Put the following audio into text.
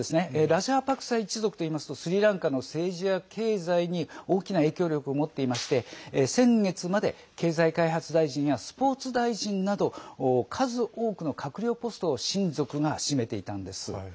ラジャパクサ一族といいますとスリランカの政治や経済に大きな影響力を持っていまして先月まで経済開発大臣やスポーツ大臣など数多くの閣僚ポストを親族が占めていたんです。